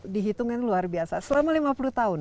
dihitungnya luar biasa selama lima puluh tahun